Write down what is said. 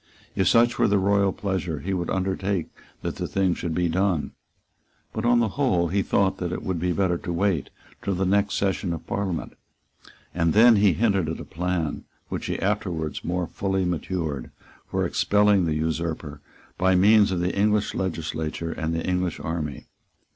If such were the royal pleasure, he would undertake that the thing should be done. But on the whole he thought that it would be better to wait till the next session of Parliament. And then he hinted at a plan which he afterwards more fully matured, for expelling the usurper by means of the English legislature and the English army.